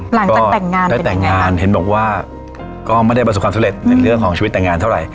หลังจากแต่งงานได้แต่งงานเห็นบอกว่าก็ไม่ได้ประสบความสำเร็จในเรื่องของชีวิตแต่งงานเท่าไหร่